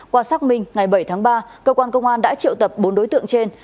qua xác minh ngày bảy tháng ba cơ quan công an đã triệu tập bốn đối tượng trên